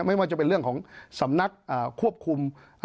ไม่ว่าจะเป็นเรื่องของสำนักควบคุม